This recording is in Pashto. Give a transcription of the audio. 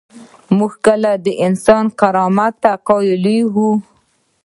موږ کله د انسان کرامت ته قایل کیږو؟